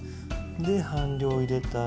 で半量入れたら。